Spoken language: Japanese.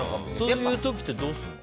そういう時ってどうするの？